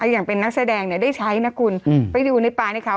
อย่างเป็นนักแสดงได้ใช้นะคุณไปดูในปลาในเขา